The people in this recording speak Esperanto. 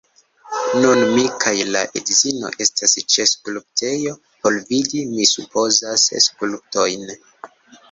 Nun mi kaj la edzino estas ĉe skulptejo, por vidi, mi supozas, skulptojn.